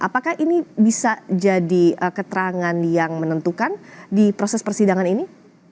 apakah ini bisa jadi keterangan yang menentukan di proses persidangan ini